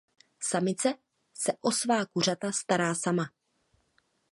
Samice se o svá kuřata stará sama.